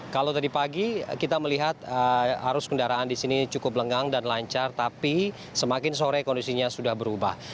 kalau tadi pagi kita melihat arus kendaraan di sini cukup lengang dan lancar tapi semakin sore kondisinya sudah berubah